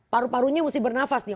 paru parunya mesti bernafas nih